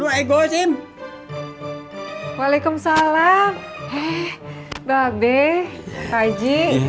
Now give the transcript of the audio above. hei baik deh kak iji